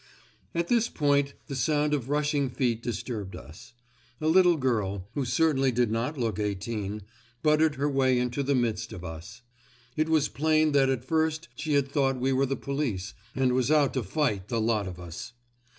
At this point the sound of rushing feet disturbed us. A little girl, who certainly did not look eighteen, butted her way into the midst of us. It was plain that at first she had thought we were the police and was out to fight the lot of us.